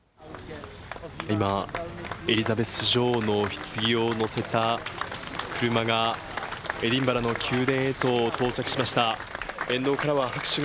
今、エリザベス女王のひつぎを載せた車が、エディンバラの宮殿へと到着しました。